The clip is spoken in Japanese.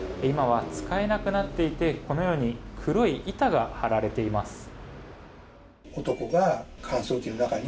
今は使えなくなっていてこのように黒い板が張られています。